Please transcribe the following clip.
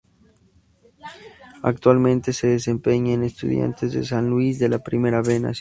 Actualmente se desempeña en Estudiantes de San Luis de la Primera B Nacional.